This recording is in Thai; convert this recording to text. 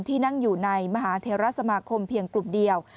ที่นั่งอยู่ในมหาเทราสมาคมเพียงกลุ่มเดียว